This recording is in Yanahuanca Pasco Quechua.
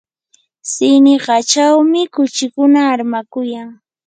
siniqachawmi kuchikuna armakuyan.